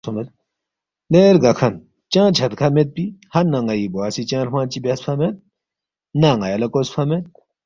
”لے رگاکھن چنگ چھدکھہ میدپی ہنہ ن٘ئی بوا سی چنگ ہرمنگ چی بیاسفا مید، نہ ن٘یا لہ کوسفا مید